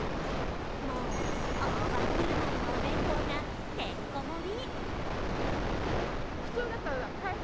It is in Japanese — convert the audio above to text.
もう、大盤振る舞いのお弁当がてんこ盛り！